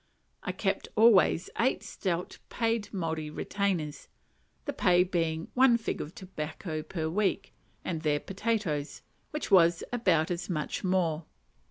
I kept always eight stout paid Maori retainers; the pay being one fig of tobacco per week, and their potatoes, which was about as much more.